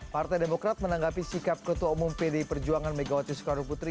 partai demokrat menanggapi sikap ketua umum pdi perjuangan megawati soekarno putri